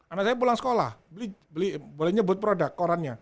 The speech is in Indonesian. anak saya pulang sekolah boleh nyebut produk korannya